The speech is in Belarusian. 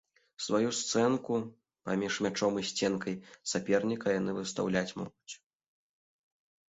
Сваю сценку паміж мячом і сценкай саперніка яны выстаўляць могуць.